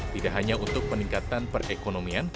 tidak hanya untuk peningkatan perekonomian